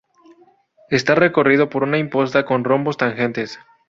Está recorrido por una imposta con rombos tangentes.